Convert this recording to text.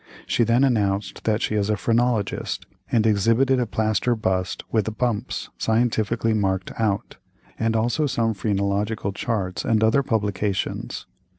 She then announced that she is a "phrenologist," and exhibited a plaster bust with the "bumps" scientifically marked out, and also some phrenological charts and other publications.